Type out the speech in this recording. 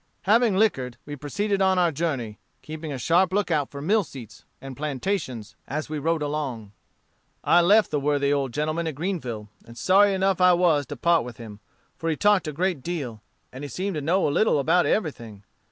Having liquored, we proceeded on our journey, keeping a sharp lookout for mill seats and plantations as we rode along. "I left the worthy old man at Greenville, and sorry enough I was to part with him, for he talked a great deal, and he seemed to know a little about everything.